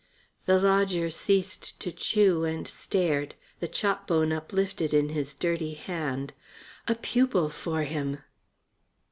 The lodger ceased to chew and stared, the chop bone uplifted in his dirty hand. A pupil for him!